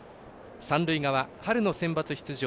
三塁側、春のセンバツ出場